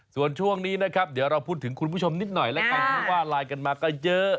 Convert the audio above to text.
ส่วนช่วงนี้นะครับเดี๋ยวเราพูดถึงคุณผู้ชมนิดหน่อยแล้วกันเพราะว่าไลน์กันมาก็เยอะ